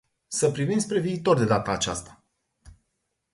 Să privim spre viitor de data aceasta.